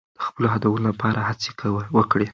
د خپلو هدفونو لپاره هڅه وکړئ.